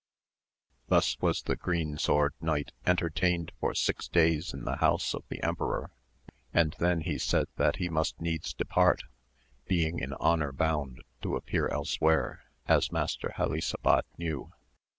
Thus was the Green Sword Knight entertained for six days in the house of the emperor, and then he said that he must needs depart, being in honour bound to appear elsewhere, as Master Helisabad knew.